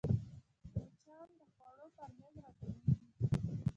مچان د خوړو پر میز راټولېږي